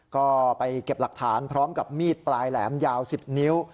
ก็ไปเก็บหลักฐานพร้อมกับมีดปลายแหลมยาว๑๐นิ้ว